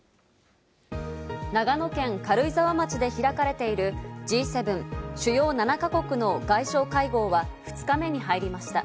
長野県軽井沢町で開かれている、Ｇ７＝主要７か国の外相会合は、２日目に入りました。